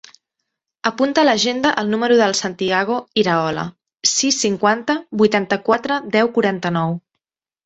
Apunta a l'agenda el número del Santiago Iraola: sis, cinquanta, vuitanta-quatre, deu, quaranta-nou.